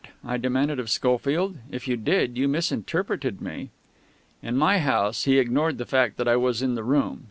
I demanded of Schofield. "If you did, you misinterpreted me." In my house, he ignored the fact that I was in the room.